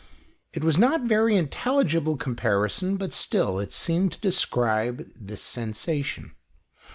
It was not a very intelligible comparison, but still it seemed to describe his sensation.